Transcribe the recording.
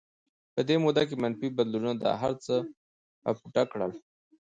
په دې موده کې منفي بدلونونو دا هرڅه اپوټه کړل